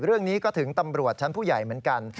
เรื่องนี้ก็ถึงตำรวจชั้นผู้ใหญ่เหมือนกัน